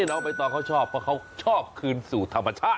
เราไปต่อก็ชอบเพราะเขาชอบคืนสู่ธรรมชาติ